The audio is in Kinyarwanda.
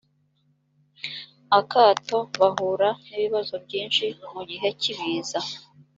akato bahura n ibibazo byinshi mu gihe k ibiza